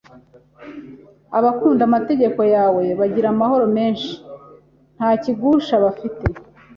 “Abakunda amategeko yawe bagira amahoro menshi, nta kigusha bafite”